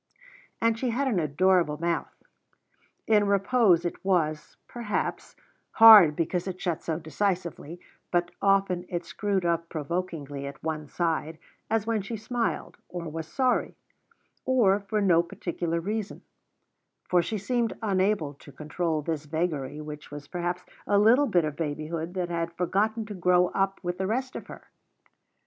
And she had an adorable mouth. In repose it was, perhaps, hard, because it shut so decisively; but often it screwed up provokingly at one side, as when she smiled, or was sorry, or for no particular reason; for she seemed unable to control this vagary, which was perhaps a little bit of babyhood that had forgotten to grow up with the rest of her.